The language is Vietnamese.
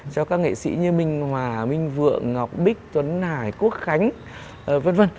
cho các nghệ sĩ như minh hòa minh vượng ngọc bích tuấn hải quốc khánh v v